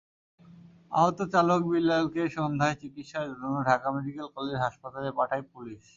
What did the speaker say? আহত চালক বিল্লালকে সন্ধ্যায় চিকিৎসার জন্য ঢাকা মেডিকেল কলেজ হাসপাতালে পাঠায় পুলিশ।